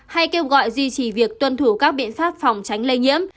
hay kêu gọi duy trì việc tuân thủ các biện pháp phòng tránh lây nhiễm